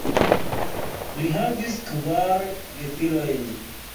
Li havis kvar gefilojn.